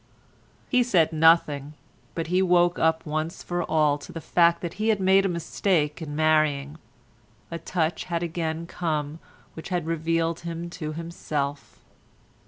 He said nothing, but he woke up once for all to the fact that he had made a mistake in marrying. A touch had again come which had revealed him to himself.